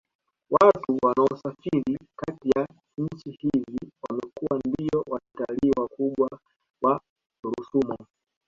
Watu wanaosafiri Kati ya nchi hizi wamekuwa ndiyo watalii wakubwa wa rusumo